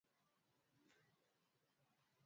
kanda unga vizuri hadi uwe tayari